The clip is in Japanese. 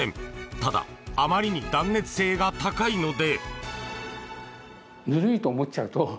ただ、あまりに断熱性が高いので。